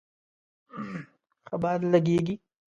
ښه باد لږیږی